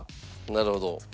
なるほど。